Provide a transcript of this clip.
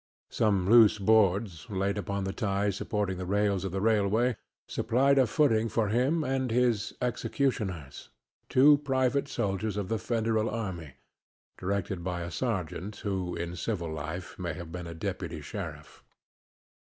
Some loose boards laid upon the sleepers supporting the metals of the railway supplied a footing for him and his executioners two private soldiers of the Federal army, directed by a sergeant who in civil life may have been a deputy sheriff.